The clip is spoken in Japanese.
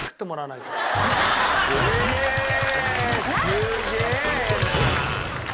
すげえな！